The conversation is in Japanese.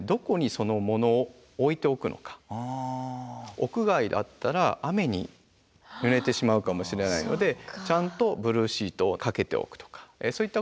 屋外だったら雨にぬれてしまうかもしれないのでちゃんとブルーシートをかけておくとかそういったことも大事です。